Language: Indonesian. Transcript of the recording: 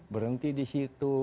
berhenti di situ